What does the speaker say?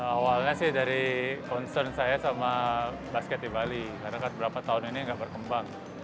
awalnya sih dari concern saya sama basket di bali karena kan berapa tahun ini nggak berkembang